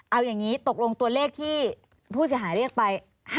เอาอย่างนี้ตกลงตัวเลขที่ผู้เสียหายเรียกไป